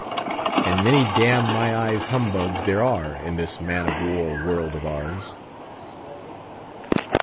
And many damn my eyes humbugs there are in this man of war world of ours.